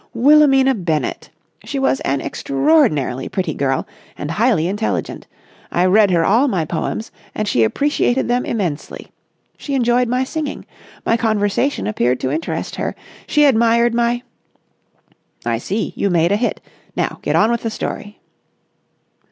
"Wilhelmina Bennett. She was an extraordinarily pretty girl, and highly intelligent. I read her all my poems, and she appreciated them immensely. She enjoyed my singing. My conversation appeared to interest her. She admired my...." "I see. You made a hit. Now get on with the story."